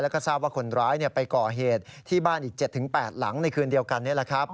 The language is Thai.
แล้วก็ทราบว่าคนร้ายไปก่อเหตุที่บ้านอีก๗๘หลังในคืนเดียวกันนี่แหละครับ